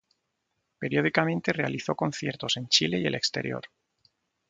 Periódicamente realizó conciertos en Chile y el exterior.